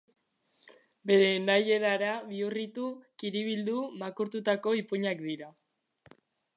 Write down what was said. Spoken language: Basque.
Bere nahierara bihurritu, kiribildu, makurtutako ipuinak dira.